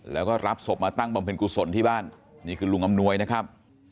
แล้วก็รับศพมาตั้งบำเพ็ญกุศลที่บ้านนี่คือลุงอำนวยนะครับ